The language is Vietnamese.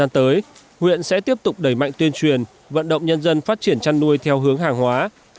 tới huyện sẽ tiếp tục đẩy mạnh tuyên truyền vận động nhân dân phát triển chăn nuôi theo hướng hàng hóa